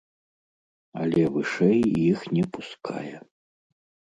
Але вышэй іх не пускае.